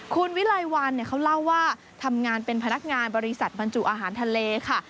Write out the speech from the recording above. คุณวิไลวันเขาเล่าว่าทำงานเป็นพนักงานบริษัทบรรจุอาหารทะเลค่ะ